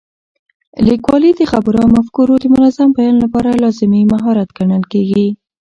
لیکوالی د خبرو او مفکورو د منظم بیان لپاره لازمي مهارت ګڼل کېږي.